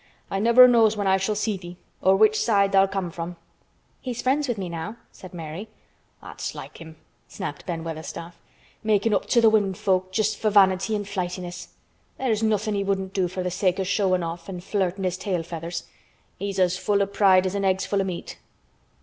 "I never knows when I shall see thee or which side tha'll come from." "He's friends with me now," said Mary. "That's like him," snapped Ben Weatherstaff. "Makin' up to th' women folk just for vanity an' flightiness. There's nothin' he wouldn't do for th' sake o' showin' off an' flirtin' his tail feathers. He's as full o' pride as an egg's full o' meat."